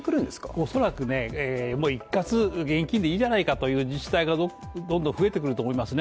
おそらくねもう一括現金でいいんじゃないかという自治体などどんどん増えてくると思いますね